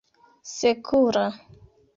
sekura